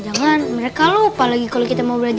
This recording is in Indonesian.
sampai jumpa lagi